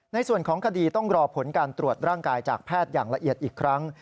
ในส่วนของคดีต้องรอผลการตรวจร่างกายจากแพทย์อย่างละเอียดอีกครั้ง